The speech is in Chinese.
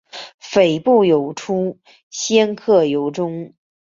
靡不有初鲜克有终